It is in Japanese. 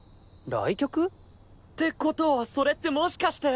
来客？ってことはそれってもしかして。